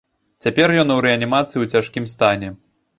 Цяпер ён у рэанімацыі ў цяжкім стане.